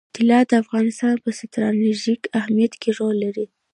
طلا د افغانستان په ستراتیژیک اهمیت کې رول لري.